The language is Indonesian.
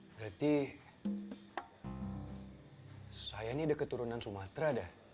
berarti saya ini ada keturunan sumatera da